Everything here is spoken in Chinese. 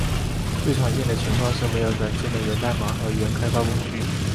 最常见的情况是没有软件的源代码和原开发工具。